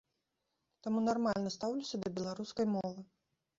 Таму нармальна стаўлюся да беларускай мовы.